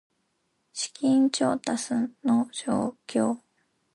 資金調達の状況